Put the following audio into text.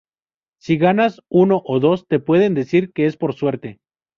Si ganas uno o dos, te pueden decir que es por suerte".